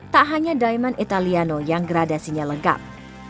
tak hanya diamond italiano yang gradasinya lengkap